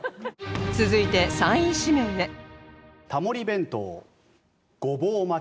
続いて３位指名へ